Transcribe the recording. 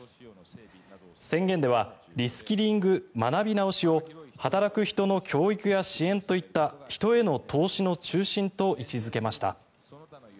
宣言ではリスキリング、学び直しを働く人の教育や支援といった人への投資の中心と位置付けました。